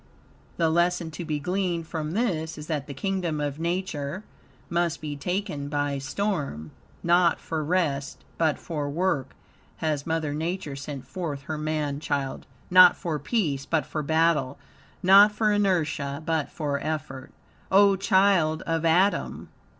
The lesson to be gleaned from this is that, the kingdom of Nature must be taken by storm. Not for rest, but for work, has Mother Nature sent forth her man child; not for peace, but for battle; not for inertia, but for effort. O child of Adam!